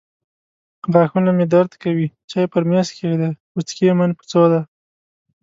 غاښونه مې درد کوي. چای پر مېز کښېږده. وڅکې من په څو دي.